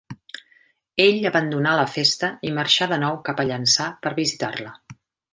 Ell abandonà la festa i marxà de nou cap a Llançà per visitar-la.